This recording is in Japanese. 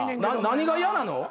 何が嫌なの？